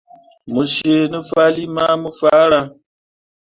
Me cii ne fahlii mai mo farah.